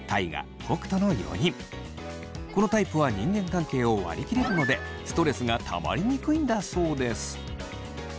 このタイプは人間関係を割り切れるのでストレスがたまりにくいんだそうです。